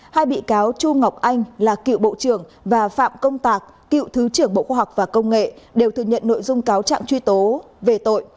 hai bị cáo chu ngọc anh là cựu bộ trưởng và phạm công tạc cựu thứ trưởng bộ khoa học và công nghệ đều thừa nhận nội dung cáo trạng truy tố về tội